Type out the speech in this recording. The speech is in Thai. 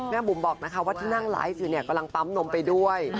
บุ๋มบอกนะคะว่าที่นั่งไลฟ์อยู่เนี่ยกำลังปั๊มนมไปด้วย